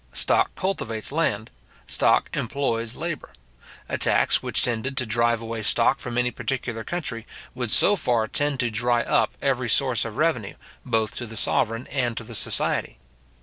Stock cultivates land; stock employs labour. A tax which tended to drive away stock from any particular country, would so far tend to dry up every source of revenue, both to the sovereign and to the society.